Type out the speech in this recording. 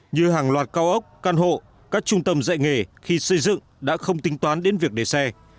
như hàng loạt cao ốc căn hộ các trung tâm dạy nghề khi xây dựng đã không tính toán đến việc để xe